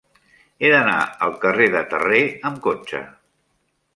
He d'anar al carrer de Terré amb cotxe.